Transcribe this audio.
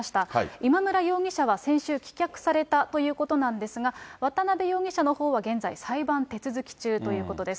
今村容疑者は先週、棄却されたということなんですが、渡辺容疑者のほうは現在、裁判手続き中ということです。